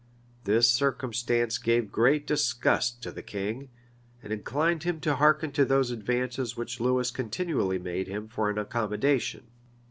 This circumstance gave great disgust to the king, and inclined him to hearken to those advances which Lewis continually made him for an accommodation.